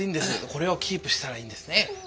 これをキープしたらいいんですね。